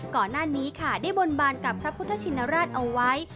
ก่อนหน้านี้ค่ะได้บนบานกับพระพุทธชินราชเอาไว้